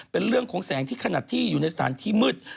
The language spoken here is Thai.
เป็นเรื่องของแสงที่ขนาดที่อยู่ในสถานที่มืด